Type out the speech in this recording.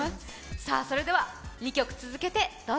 それでは２曲続けてどうぞ。